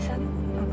karena aku saya pronot